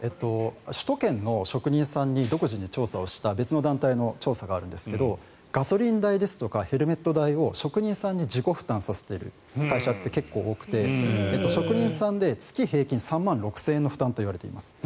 首都圏の職人さんに独自に調査をした別の団体の調査があるんですがガソリン代ですとかヘルメット代を職人さんに自己負担させている会社って結構多くて職人さんで月平均３万６０００円の負担といわれています。